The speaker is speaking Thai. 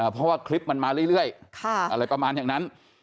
เพราะว่าคลิปมันมาเรื่อยอะไรประมาณอย่างนั้น